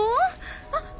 あっ！